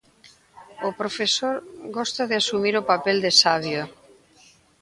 O profesor gosta de asumir o papel de sabio.